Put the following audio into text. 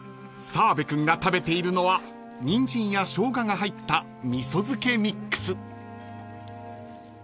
［澤部君が食べているのはニンジンやショウガが入ったみそ漬ミックス］